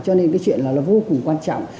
cho nên cái chuyện là vô cùng quan trọng